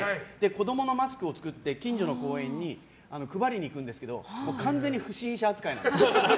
子供のマスクを作って近所の公園に配りに行くんですけど完全に不審者扱いなんです。